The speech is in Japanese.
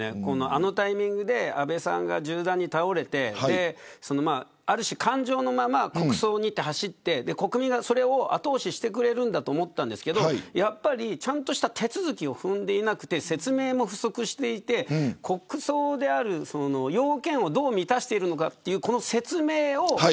あのタイミングで安倍さんが銃弾に倒れてある種、感情のまま国葬に走って国民がそれを後押ししてくれると思ったんですが、ちゃんとした手続きを踏んでいなくて説明も不足していて国葬である要件をどう満たしているのかという説明を。